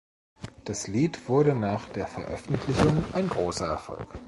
Das Lied wurde nach der Veröffentlichung ein großer Erfolg.